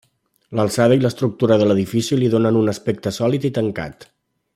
L'alçada i l'estructura de l'edifici li donen un aspecte sòlid i tancat.